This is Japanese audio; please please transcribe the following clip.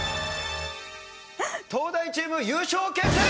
東大チーム優勝決定！